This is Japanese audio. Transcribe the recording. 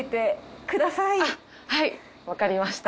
はいわかりました。